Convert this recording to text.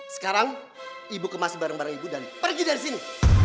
sekarang ibu kemasi barang barang ibu dan pergi dari sini